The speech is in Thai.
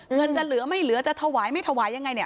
เงินจะเหลือไม่เหลือจะถวายไม่ถวายยังไงเนี่ย